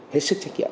hết tập trung tâm